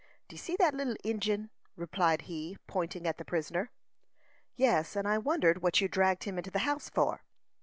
"D'ye see that little Injin?" replied he, pointing at the prisoner. "Yes; and I wondered what you dragged him into the house for."